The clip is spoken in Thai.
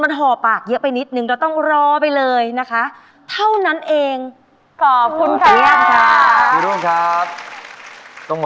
มันห่อปากเยอะไปนิดนึง